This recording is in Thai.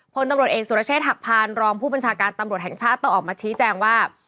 พลตำรวจเอกสุรเชษฐหักพานรองผู้บัญชาการตำรวจแห่งชาติต้องออกมาชี้แจงว่า